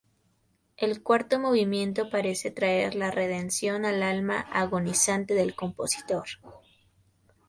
El cuarto movimiento parece traer la redención al alma agonizante del compositor.